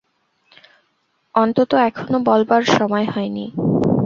অন্তত এখনো বলবার সময় হয় নি।